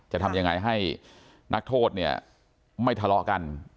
จะทำยังไงให้นักโทษเนี่ยไม่ทะเลาะกัน